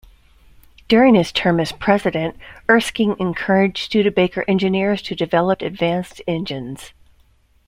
During his term as president, Erskine encouraged Studebaker engineers to develop advanced engines.